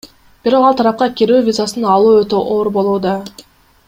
Бирок ал тарапка кирүү визасын алуу өтө оор болууда.